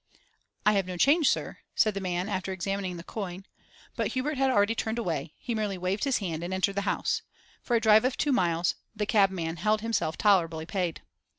'I have no change, sir,' said the man, after examining the coin. But Hubert had already turned away; he merely waved his hand, and entered the house. For a drive of two miles, the cabman held himself tolerably paid.